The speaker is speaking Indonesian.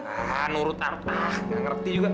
ah nurut artis nggak ngerti juga